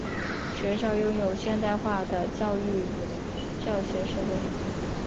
学校拥有现代化的教育教学设备。